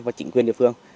và chính quyền địa phương